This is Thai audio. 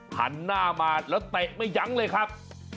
หันหน้ามาแล้วเตะไม่ยั้งเลยครับ